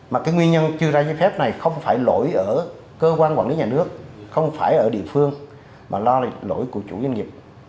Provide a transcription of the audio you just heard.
mà cái nguyên nhân chưa ra giấy phép này không phải lỗi ở cơ quan quản lý nhà nước không phải ở địa phương mà lo là lỗi của chủ doanh nghiệp